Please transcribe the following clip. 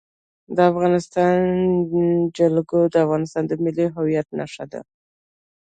د افغانستان جلکو د افغانستان د ملي هویت نښه ده.